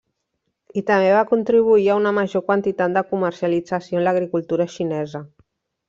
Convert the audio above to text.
I també va contribuir a una major quantitat de comercialització en l'agricultura xinesa.